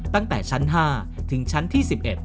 ตั้งแต่ชั้น๕ถึงชั้นที่๑๑